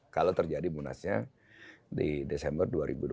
kalau terjadi munasnya di desember dua ribu dua puluh